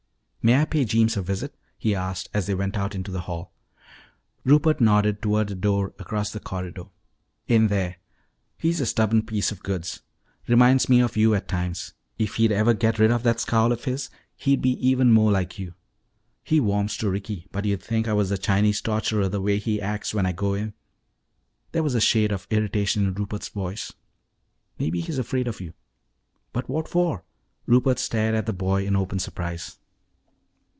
"May I pay Jeems a visit?" he asked as they went out into the hall. Rupert nodded toward a door across the corridor. "In there. He's a stubborn piece of goods. Reminds me of you at times. If he'd ever get rid of that scowl of his, he'd be even more like you. He warms to Ricky, but you'd think I was a Chinese torturer the way he acts when I go in." There was a shade of irritation in Rupert's voice. "Maybe he's afraid of you." "But what for?" Rupert stared at the boy in open surprise.